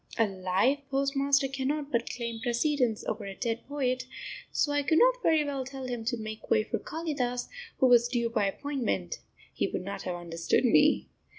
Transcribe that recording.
A live postmaster cannot but claim precedence over a dead poet, so I could not very well tell him to make way for Kalidas, who was due by appointment, he would not have understood me!